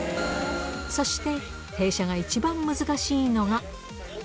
そして停車が一番難しいのが。